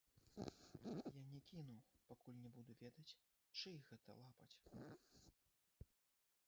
Я не кіну, пакуль не буду ведаць, чый гэта лапаць.